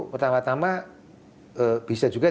pertama tama bisa juga